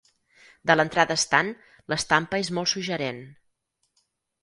De l'entrada estant, l'estampa és molt suggerent.